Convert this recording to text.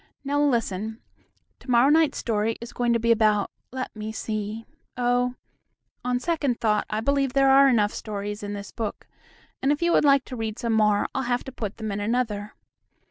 Now, listen, to morrow night's story is going to be about let me see Oh! on second thought I believe there are enough stories in this book, and, if you would like to read some more I'll have to put them in another.